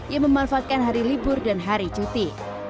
yang memanfaatkan hari libur dan hari cuti